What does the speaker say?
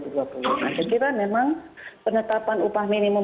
saya kira memang penetapan upah minimum